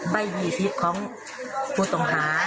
ใบยีทีฟของผู้ต้องหา